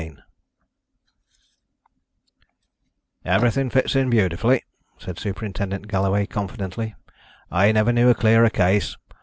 CHAPTER IX "Everything fits in beautifully," said Superintendent Galloway confidently. "I never knew a clearer case.